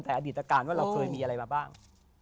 แต่อดีตการณ์ว่าเราเคยมีอะไรมาบ้าง